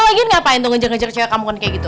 lu lagi ngapain ngajar ngajar cewek kamu kan kayak gitu